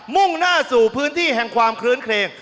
มุ่งหน้าสู่พื้นที่แห่งความคลื้นเครง